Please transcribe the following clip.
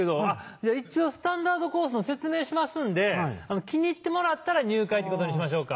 じゃ一応スタンダードコースの説明しますんで気に入ってもらったら入会ってことにしましょうか。